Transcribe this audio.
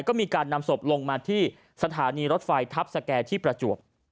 ก็มีการนำศพลงมาที่สถานีรถไฟทัพสแก่ที่ประจวบ